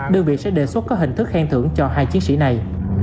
đơn vị sẽ đề xuất có hình thức khen thưởng cho hai chiếc xe này